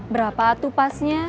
berapa tuh pasnya